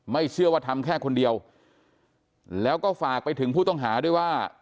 เชื่อว่าทำแค่คนเดียวแล้วก็ฝากไปถึงผู้ต้องหาด้วยว่า